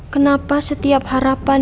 kenapa setiap harapan